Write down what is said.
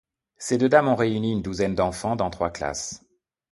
Ces deux dames ont réuni une douzaine d’enfants dans trois classes.